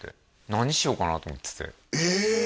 何しようかなと思っててええ！